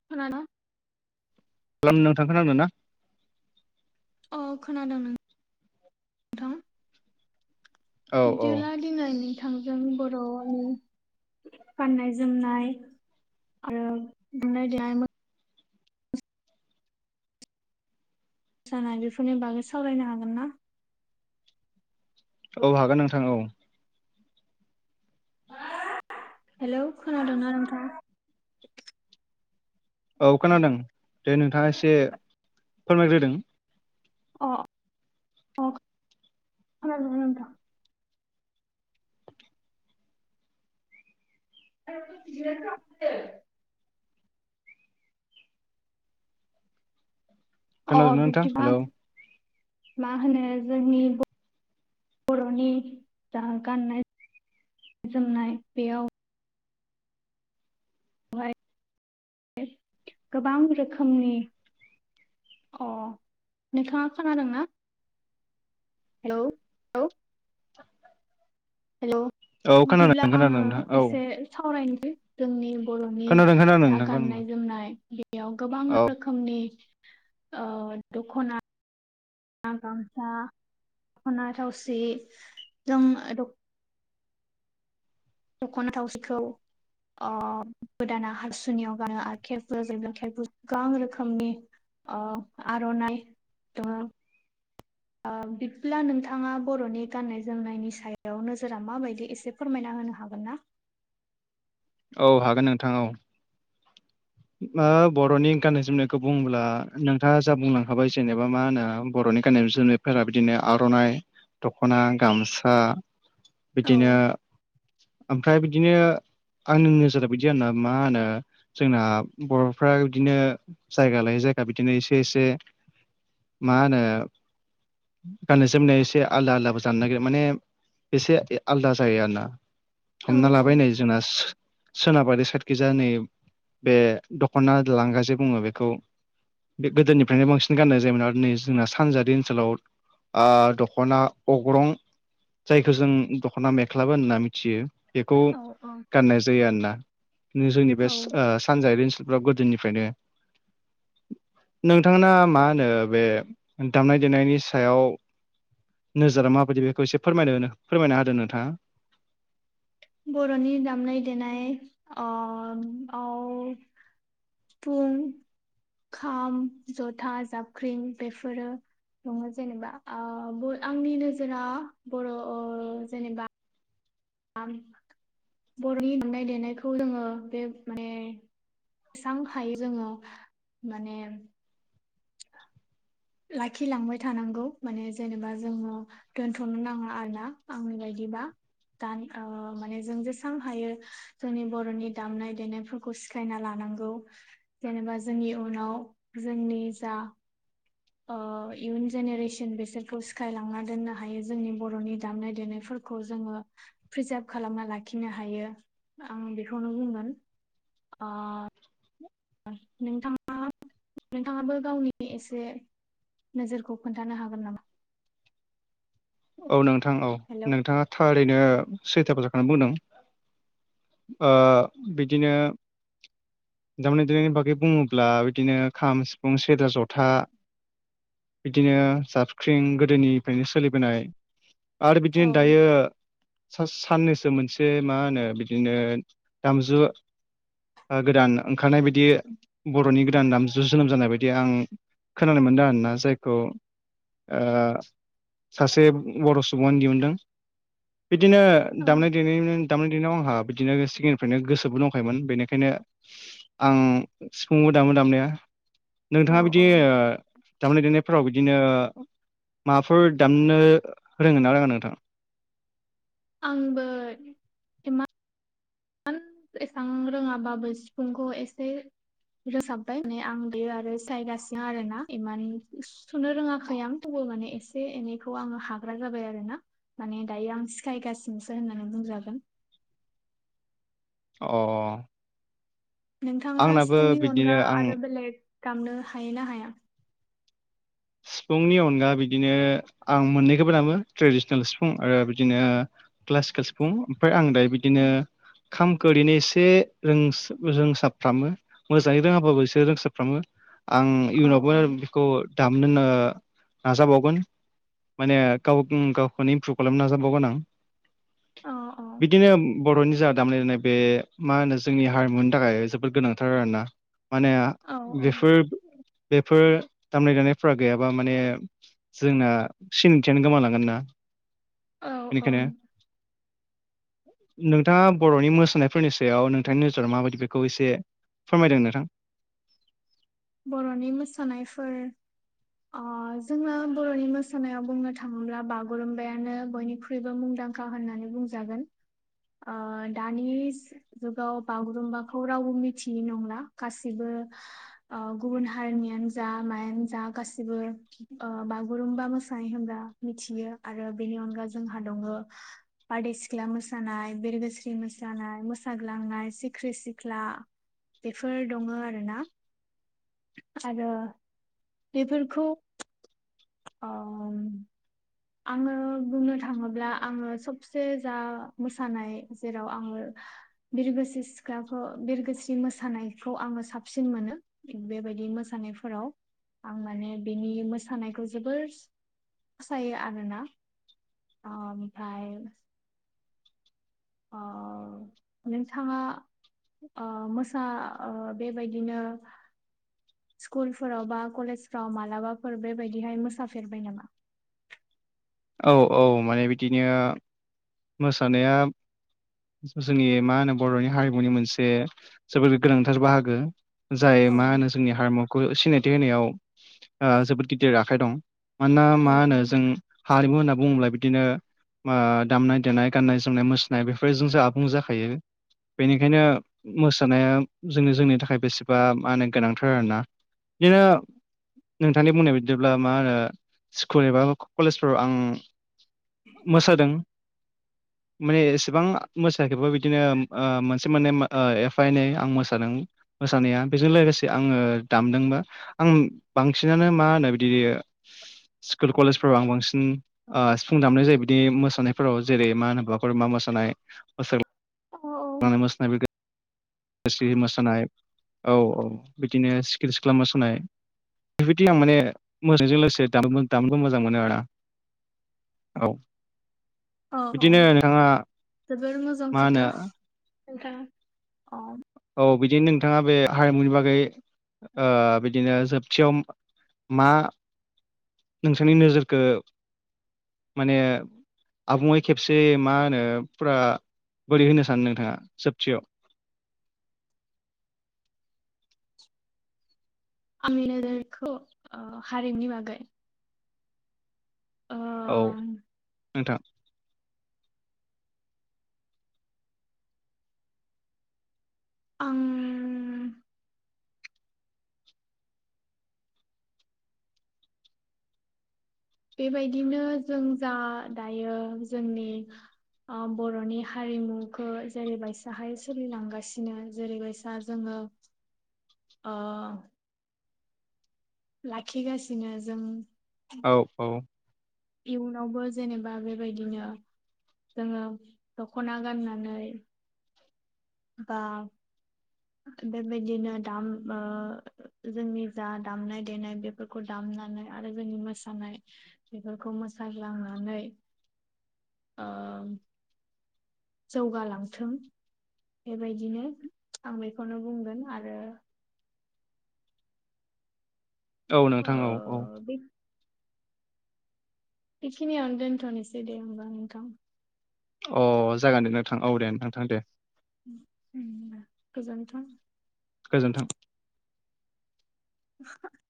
[unintelligible] [unintelligible] नोंथां खोनादों ना? अ खोनादों नों औ औ बिदिब्ला दिनै नोंथांजों बर'नि गाननाय जोमनाय आरो दुनाय देनाय मो सानाय बेफोरनि बागै सावरायनो हागोन ना? औ हागोन नोंथां औ। हेलौ खोनादोंना नोंथां? औ खोनादों दे नोंथाङा एसे फोरमायग्रोदों। अ अ खोनादों ना नोंथा? [unintelligible] अ खोनादोंना नोंथां बिदिबा हेलौ माहोनो जोंनि ब बर'नि जा गाननाय जोमनाय बेयाव [unintelligible] गोबां रोखोमनि अ नोंथाङा खोनादोंना? हेलौ। हेलौ हेलौ औ खोनादों बिदिब्ला खोनादों आङो नोंथां औ एसे सावरायनि जोंनि बर'नि खोनादों खोनादों दा नोंथां खोनादों गाननाय जोमनाय बेयाव गोबां औ रो खोमनि ओ दख'ना गामसा दख'ना थावसि जों दख'ना थावसिखौ अ गोदाना हाथासुनियाव गानो आरो [unintelligible] गोबां रोखोमनि अ आर'नाइ [unintelligible] अ बिफब्ला नोंथाङा बर'नि गाननाय जोमनायनि सायाव नोजोरा माबायदि एसे फोरमायना होनो हागोन ना? औ हागोन नोंथां औ। ना बर'नि गाननाय जोमनायखौ बुङोब्ला नोंथाङा जा बुंलांखाबाय जेनेबा मा होनो बर'नि गाननाय जोमनाय फोरा बिदिनो आर'नाइ दख'ना गामसा औ बिदिनो ओमफ्राय बिदिनो आंनि नोजोरा बिदि आरोना मा होनो जोंना बर'फ्रा बिदिनो जायगा लायै जायगा बिदिनो एसे एसे मा होनो गाननाय जोमनाय एसे आलदा आलदाबो जानो नागिरो माने एसे ए आलदा जायो आरोना औ हमना लाबायनानै जोंना सो-सोनाबारि साइडखिजा नै बे दख'ना लांगाजे बुंङो बेखौ बे गोदोनिफ्रायनो बांसिन गाननाय जायोमोन आरो नै जोंना सानजारि ओनसोलाव ओ दख'ना अग्रं जायखौ जों दख'ना मेख्लाबो होनना मिथियो बेखौ औ औ गाननाय जायो आरोना जोंनि बे औ ओ सानजारि ओनसो लफ्राव गोदोनिफ्रायनो नोंथांना मा होनो बे दामनाय देनायनि सायाव नोजोरा माबायदि बेखौ एसे फोरमायनो फोरमायना होदो नोंथाङा। बर'नि दामनाय देनाय ओ आव फुं खाम जथा जाबख्रिं बेफोरो दङ जेनेबा ओ ब' आंनि नोजोरा बर' ओ जेनेबा आं बर'नि दामनाय देनायखौ जोङो बे माने जेसां हायो जोङो माने लाखिलांबाय थानांगौ माने जेनेबा जोङो दोनथ'नो नांङा आरोना आंनि बायदिबा। दान ओ माने जों जेसां हायो जोंनि बर'नि दामनाय देनायफोरखौ सिखायना लानांगौ। जेनेबा जोंनि उनाव जोंनि जा ओ इयुन जेनेरेसन बेसोरखौ सिखायलांना दोननो हायो जोंनि बर'नि दामनाय देनायफोर खौ जोङो प्रिजार्भ खालामना लाखिनो हायो आं बेखौनो बुंगोन। ओ नोंथाङा नोंथाङाबो गावनि एसे नोजोरखौ खोन्थानो हागोन नामा? औ नोंथां औ हेलौ नोंथाङा थारैनो सैथा बाथ्राखौनो बुंदों। ओ बिदिनो दामनाय देनायनि बागै बुंङोब्ला बिदिनो खाम सिफुं सेरजा ज'था बिदिनो जाबख्रिं गोदोनिफ्रायनो सोलिबोनाय आरो औ बिदिनो दायो सास साननैसो मोनसे मा होनो बिदिनो दामजु ओ गोदान ओंखारनाय बायदि बर'नि गोदान दामजु जोनोम जानाय बायदि आं खोनानो मोनदों आरोना जायखौ ओ सासे बर' सुबुंनो दिहुनदों बिदिनो दामनाय औ देनायनि दामनाय देनायाव आंहा बिदिनो सिगांनिफ्रायनो गोसोबो दंखायोमोन बेनिखायनो आं सिफुंबो दामो दामनाया। नोंथाङा औ बिदि ओ दामनाय देनायफोराव बिदिनो माबाफोर दामनो रोंङो रोङा नोंथां? आंबो [unintelligible] एसां रोङाबाबो सिफुंखौ एसे रोंसाबबाय माने आं बेयो आरो सिखायगासिनो आरो ना इमान सुनो रोङाखै आं थेवबो माने एसे एनैखौ आङो हाग्रा जाबाय आरोना। माने दायो आं सिखायगासिनोसो होननानै बुंजागोन। अ अ अ। नोंथाङा सिफुंनि बिदिनो अनगा आं आरो बेलेग दामनो हायो ना हाया? सिफुंनि अनगा बिदिनो आं मोननैखौबो दामो ट्रेडिस'नेल सिफुं आरो बिदिनो क्लासिकेल सिफुं ओमफाय आं दायो औ बिदिनो खामखौ ओरैनो एसे रोंस रोंसाबफ्रामो। मोजाङै रोङाबाबो एसे रोंसाबफ्रामो आं औ इयुनावबो बेखौ दामनो नो नाजा बावगोन। माने गाव गावखौनो इमप्रुभ खालामनो नाजाबावगोन आं औ बिदिनो बर'नि जा दामनाय देनाय बे मा होनो जोंनि हारिमुनि थाखाय जोबोद गोनांथार आरोना। माने औ बेफोर बेफोर दामनाय देनायफ्रा गैयाबा माने जोंना सिनायथियानो गोमालांगोन ना। औ औ बेनिखायनो नोंथाङा बर'नि मोसानायफोरनि सायाव नोंथांनि नोजोरा माबायदि बेखौ एसे फोरमायदो नोंथां। बर'नि मोसानायफोर अ' जोङो बर'नि मोसानायाव बुंनो थाङोब्ला बागुरुम्बायानो बयनिख्रुइ ख्रुइबो मुंदांखा होननानै बुंजागोन दानि जुगाव बागुरुम्बाखौ रावबो मिथियै नंला गासिबो गुबुन हारिनियानो जा मायानो जा गासिबो ओ बागुरुम्बा मोसानाय होमबा मिथियो आरो बेनि अनगा जोंहा दङो बारदै सिख्ला मोसानाय, बिरगोस्रि मोसानाय, मोसाग्लांनाय, सिख्रि सिख्ला बेफोर दङ आरोना। आरो बेफोरखौ ओं आंङो बुंनो थाङोब्ला आंङो सबसे जा मोसानाय जेराव आंङो बिरगोस्रि सिख्लाखौ बिरगोस्रि मोसानायखौ आंङो साबसिन मोनो। बेबायदि मोसानायफोराव आं माने बिनि मोसानायखौ जोबोर फोसायो आरोना ओ ओमफ्राय ओ नोंथाङा ओ मोसा ओ बेबायदिनो स्कुलफोराव बा कलेजफोराव मालाबाफोर बेबायदिहाय मोसाफेरबाय नामा? औ औ माने बिदिनो मोसानाया जोंनि मा होनो बर'नि हारिमुनि मोनसे जोबोद गोनांथार बाहागो। जाय औ मा होनो जोंनि हारिमुखौ सिनायथि होनायाव ओ जोबोद गिदिर आखाइ दं। मानोना औ मा होनो जों हारिमु होनना बुङोब्ला बिदिनो ओ दामनाय देनाय गाननाय जोमनाय मोसानाय बेफोरजोंसो आबुं जाखायो। बेनिखायनो मोसानाया जोंनि जोंनि थाखाय बेसेबा मा होनो गोनांथार आरोना। बिदिनो नोंथांनि बुंनाय बायदिब्ला मा होनो स्कुल एबा कलेज फोर आं मोसादों। माने एसेबां मोसायाखैबा बिदिनो ओ मोनसे मोननै ओ एफा एनै आं मोसादों। मोसानाया बेजों लोगोसे आंङो दामदोंबो। आं बांसिनानो मा होनो बिदि स्कुल कलेजफोराव आं बांसिन ओ सिुफुं दामनाय जायो बिदि मोसानायफोराव जेरै मा होनो बागुरुबा मोसानाय मोसा [inaudible] औ मोसानाय बेखो स्रि मोसानाय औ औ बिदिनो सिखिरि सिख्ला मोसानाय। बेबायदि आं माने मोसानायजों लोगोसे दामबो दामनोबो मोजां मोनो आरो आं। औ। औ औ बिदिनो नोंथाङा जोबोर मोजां मा होनो खोथा नोंथां औ। अ बिदिनो नोंथाङा बे हारिमुनि बागै ओ बिदिनो जोबथियाव मा नोंसोरनि नोजोरखौ माने आबुङै खेबसे मा होनो फुरा बोरै होनो सानो नोंथाङा जोबथियाव? आंनि नोजोरखौ ओ हारिमुनि बागै ओ औ नोंथां। आं बेबायदिनो जों जा दायो जोंनि ओ बर'नि हारिमुखौ जेरैबायसाहाय सोलिलांगासिनो जेरैबायसा जोङो ओ लाखिगासिनो जों औ औ इयुनावबो जेनेबा बेबायदिनो जोङो दख'ना गाननानै बा बेबायदिनो दाम ओ जोंनि जा दामनाय-देनाय बे फोरखौ दामनानै आरो जोंनि मोसानाय बेफोरखौ मोसाग्लांनानै ओ जौगालांथों बेबायदिनो आं बेखौनो बुंगोन आरो औ ओ नोंथां औ औ। बे बेखिनियावनो दोनथ'नोसै दे होमबा नोंथां। अ जागोन दे नोंथां औ दे नोंथां थां दे। उम दे गोजोनथों। गोजोन्थों। [unintelligible]